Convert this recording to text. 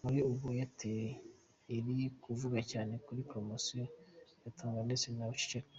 Kuri ubu Airtel iri kuvuga cyane kuri poromosiyo ya Tunga ndetse na Wiceceka.